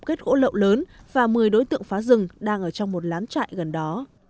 kết gỗ lậu lớn và một mươi đối tượng phá rừng đang ở trong một lán trại gần đó